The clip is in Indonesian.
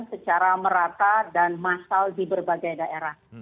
secara merata dan massal di berbagai daerah